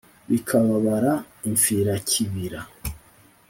bikababara impfira kibira,